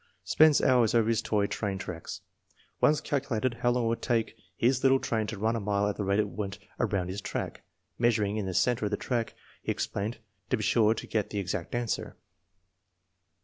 Spends hours over his toy train tracks. Once calculated how long it would take his little train to run a mile at the rate it went around his track; measuring in the center of the track, he ex plained, ' to be sure to get the exact answer.'